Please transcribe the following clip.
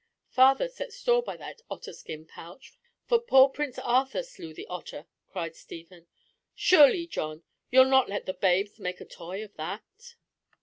"Father set store by that otter skin pouch, for poor Prince Arthur slew the otter," cried Stephen. "Surely, John, you'll not let the babes make a toy of that?"